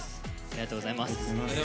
ありがとうございます。